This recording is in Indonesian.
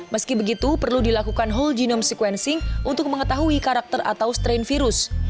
meski begitu perlu dilakukan whole genome sequencing untuk mengetahui karakter atau strain virus